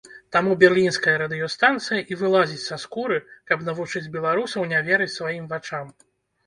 Таму берлінская радыёстанцыя і вылазіць са скуры, каб навучыць беларусаў не верыць сваім вачам.